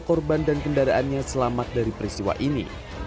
korban dan kendaraannya selamat dari peristiwa ini